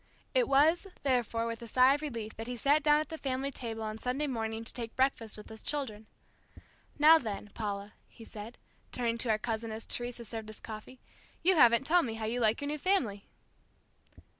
It was, therefore, with a sigh of relief that he sat down at the family table on Sunday morning to take breakfast with us children. "Now, then, Paula," he said, turning to our cousin as Teresa served us coffee, "you haven't told me how you like your new family?"